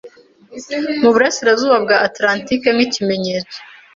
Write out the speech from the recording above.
mu burasirazuba bwa Atlantike nk'ikimenyetso